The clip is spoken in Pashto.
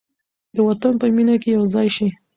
د وطن په مینه کې یو ځای شئ.